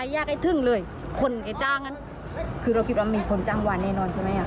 อย่าให้ถึงผู้จ้างหวาน